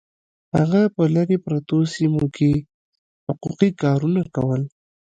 هغه په لرې پرتو سیمو کې حقوقي کارونه کول